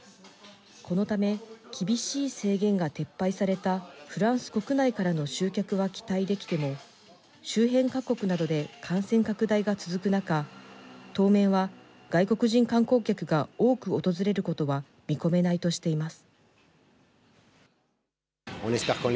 このため、厳しい制限が撤廃されたフランス国内からの集客は期待できても、周辺各国などで感染拡大が続く中、当面は外国人観光客が多く訪れることは見込めないとしています。